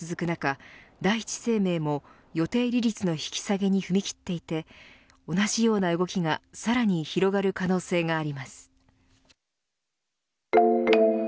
中第一生命も予定利率の引き下げに踏み切っていて同じような動きがさらに広がる可能性があります。